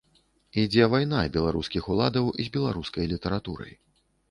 Ідзе вайна беларускіх уладаў з беларускай літаратурай.